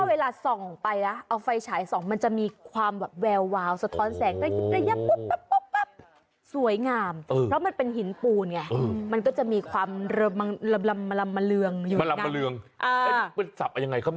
เอาไฟฉายสองมันจะมีความแววสะท้อนแสง